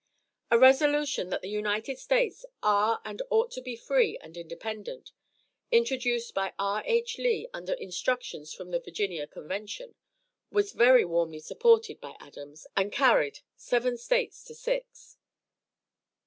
A resolution that the United States 'Are and ought to be free and independent,' introduced by R. H. Lee under instructions from the Virginia convention, was very warmly supported by Adams and carried, seven States to six.